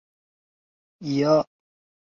妈妈因为太冷就自己关机了